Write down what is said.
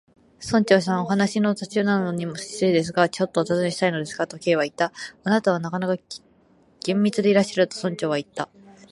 「村長さん、お話の途中なのに失礼ですが、ちょっとおたずねしたいのですが」と、Ｋ はいった。「あなたはなかなか厳密でいらっしゃる」と、村長はいった。